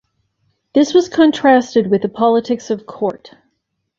This was contrasted with the politics of court.